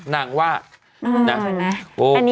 นางว่าโอเค